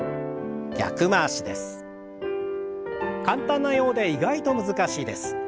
簡単なようで意外と難しいです。